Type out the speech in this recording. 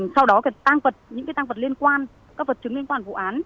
sau đó thì những cái tăng vật liên quan các vật chứng liên quan vụ án